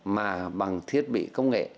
mà bằng thiết bị công nghệ